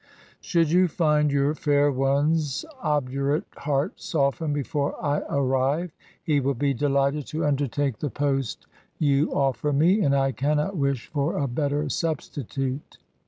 Should you find your fair one's obdurate heart soften before I arrive, he will be delighted to undertake the post you offer me, and I cannot wish for a better substitute.